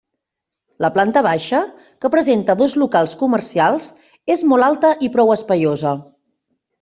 La planta baixa, que presenta dos locals comercials, és molt alta i prou espaiosa.